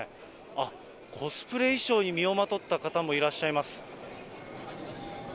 あっ、コスプレ衣装に身をまとった方もいらっしゃいます。